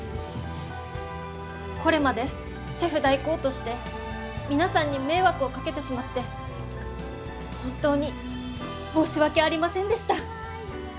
これまでシェフ代行として皆さんに迷惑をかけてしまって本当に申し訳ありませんでした。